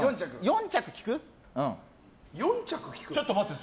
４着聞く？